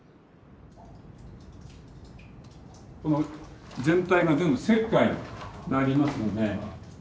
この全体が全部石灰になりますので。